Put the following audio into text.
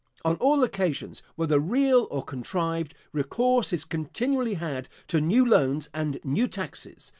On all occasions, whether real or contrived, recourse is continually had to new loans and new taxes.